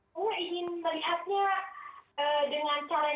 saya ingin melihatnya dengan calon